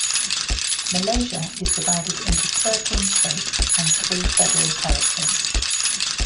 Malaysia is divided into thirteen states and three Federal Territories.